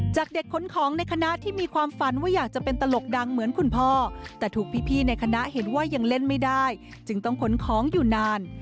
จากเด็กขนของในคณะที่มีความฝันว่าอยากจะเป็นตลกดังเหมือนคุณพ่อแต่ถูกพี่ในคณะเห็นว่ายังเล่นไม่ได้จึงต้องขนของอยู่นาน